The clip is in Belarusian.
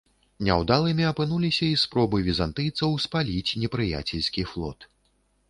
Няўдалымі апынуліся і спробы візантыйцаў спаліць непрыяцельскі флот.